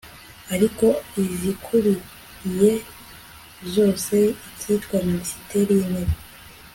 ariko izikuriye zose ikitwa minisiteri y'intebe